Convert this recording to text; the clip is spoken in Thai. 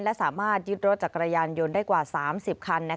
และสามารถยึดรถจักรยานยนต์ได้กว่า๓๐คัน